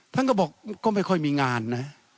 ท่านก็บอกก็ไม่ค่อยมีงานนะ